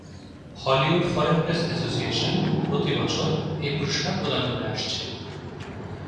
Hollywood foreign press association প্রতি বছর এই পুরস্কার প্রদান করে আসছে।